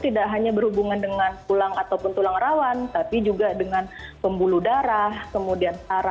tidak hanya berhubungan dengan tulang ataupun tulang rawan tapi juga dengan pembuluh darah kemudian sara